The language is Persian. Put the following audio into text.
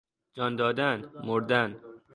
جان دادن، مردن